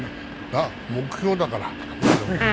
目標だからあくまでも。